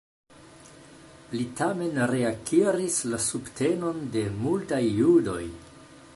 Li tamen reakiris la subtenon de multaj judoj.